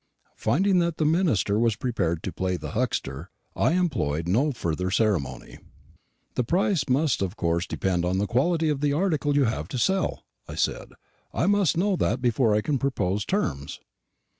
Finding that the minister was prepared to play the huckster, I employed no further ceremony. "The price must of course depend on the quality of the article you have to sell," I said; "I must know that before I can propose terms."